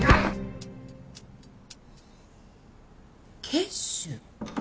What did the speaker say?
血腫？